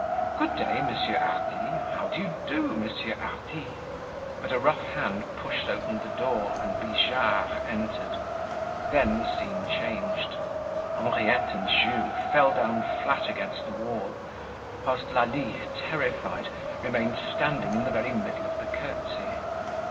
"Good day, Monsieur Hardy. How do you do, Monsieur Hardy?" But a rough hand pushed open the door, and Bijard entered. Then the scene changed. Henriette and Jules fell down flat against the wall; whilst Lalie, terrified, remained standing in the very middle of the curtsey.